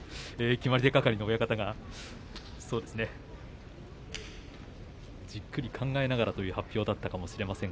決まり手係の親方がじっくり考えながらという発表だったかもしれません。